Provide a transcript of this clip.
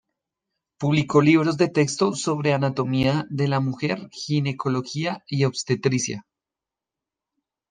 Publicó libros de texto sobre anatomía de la mujer, ginecología y obstetricia.